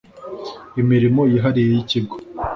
imirimo yihariye y’ikigo